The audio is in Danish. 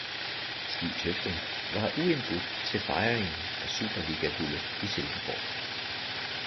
Stig Tøfting var uindbudt til fejringen af superligaguldet i Silkeborg.